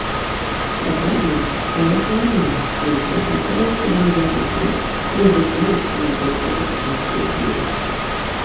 Дакладней, праехала міма, але потым кіроўца даў задні ход, рызыкуючы надоўга закапацца ў снезе.